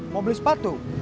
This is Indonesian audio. mau beli sepatu